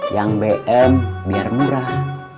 yang bm biar murah